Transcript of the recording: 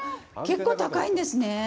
結構高いんですね。